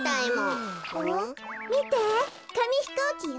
みてかみひこうきよ。